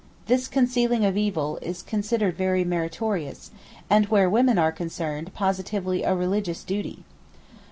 This 'concealing of evil' is considered very meritorious, and where women are concerned positively a religious duty.